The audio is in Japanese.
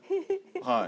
はい。